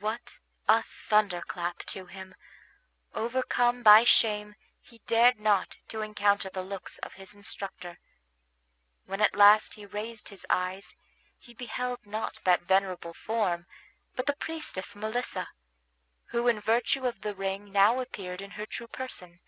What a thunderclap to him! Overcome by shame, he dared not to encounter the looks of his instructor. When at last he raised his eyes he beheld not that venerable form, but the priestess Melissa, who in virtue of the ring now appeared in her true person.